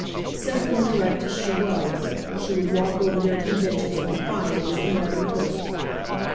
Simple and direct as she was, she would walk over their conventions and proprieties, and never know it.